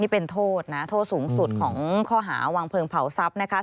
เป็นโทษนะโทษสูงสุดของข้อหาวางเพลิงเผาทรัพย์นะคะ